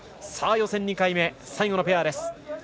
さあ、予選２回目最後のペアです。